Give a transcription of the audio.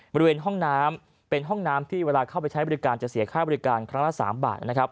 บริเวณห้องน้ำเป็นห้องน้ำที่เวลาเข้าไปใช้บริการจะเสียค่าบริการครั้งละ๓บาทนะครับ